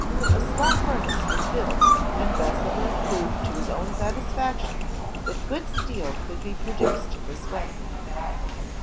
A small furnace was built, and Bessemer proved to his own satisfaction that good steel could be produced in this way.